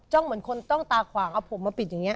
เหมือนคนต้องตาขวางเอาผมมาปิดอย่างนี้